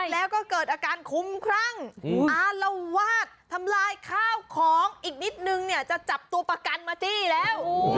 แล้วก็เกิดอาการคุ้มครั่งอารวาสทำลายข้าวของอีกนิดนึงเนี่ยจะจับตัวประกันมาจี้แล้ว